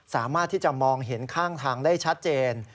สามารถที่จะมองเห็นข้างทางได้ชัดเจน